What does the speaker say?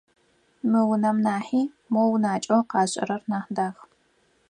Мы унэм нахьи мо унакӏэу къашӏырэр нахь дах.